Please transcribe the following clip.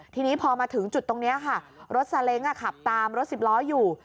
ทีนี้พอมาถึงจุดตรงนี้ค่ะรถซาเล้งขับตามรถสิบล้ออยู่